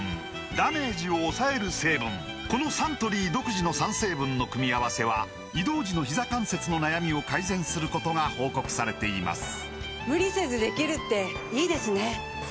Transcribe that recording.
このサントリー独自の３成分の組み合わせは移動時のひざ関節の悩みを改善することが報告されています